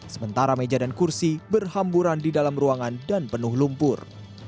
sementara meja dan kursi berhamburan di dalam ruangan dan penuh lumpur